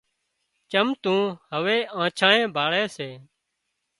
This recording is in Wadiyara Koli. چم تو هوَي آنڇانئي ڀاۯي سي